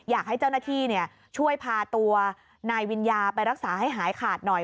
อยากให้เจ้าหน้าที่ช่วยพาตัวนายวิญญาไปรักษาให้หายขาดหน่อย